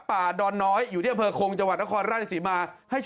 เอาละอยากกินอะไรตอนนี้อยากกินอะไร